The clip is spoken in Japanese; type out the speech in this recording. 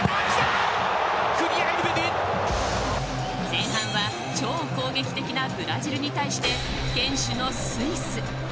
前半は超攻撃的なブラジルに対して堅守のスイス。